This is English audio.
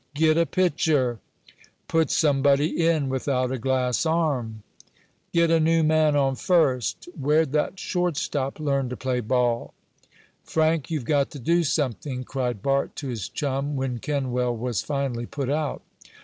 "Get a pitcher!" "Put somebody in without a glass arm!" "Get a new man on first!" "Where'd that short stop learn to play ball?" "Frank, you've got to do something!" cried Bart to his chum when Kenwell was finally put out.